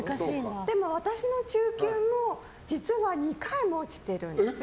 でも私の中級も実は２回も落ちてるんです。